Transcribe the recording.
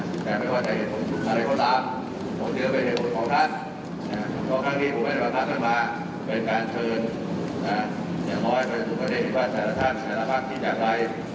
สวัสดีค่ะสวัสดีค่ะสวัสดีค่ะ